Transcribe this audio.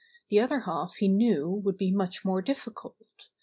The other half he knew would be much more difficult.